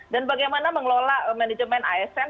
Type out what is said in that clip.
dan bagaimana mengelola manajemen asn